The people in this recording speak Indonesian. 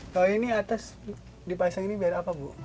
kalau ini atas dipasang ini biar apa bu